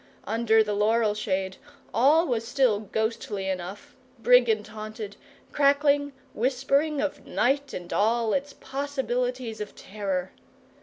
Under the laurel shade all was still ghostly enough, brigand haunted, crackling, whispering of night and all its possibilities of terror.